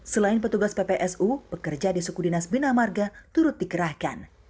selain petugas ppsu pekerja di suku dinas bina marga turut dikerahkan